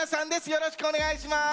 よろしくお願いします！